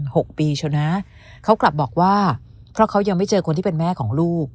หกปีเชียวนะเขากลับบอกว่าเพราะเขายังไม่เจอคนที่เป็นแม่ของลูก